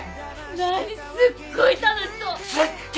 何すっごい楽しそう！